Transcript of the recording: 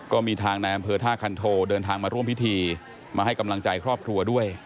ก็มีทางในอำเภอท่าคันโทเดินทางมาร่วมพิธีมาให้กำลังใจครอบครัวด้วย